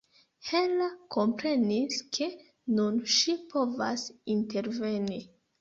Hera komprenis, ke nun ŝi povas interveni.